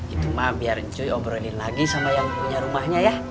itu mah biar cuy obrolin lagi sama yang punya rumahnya ya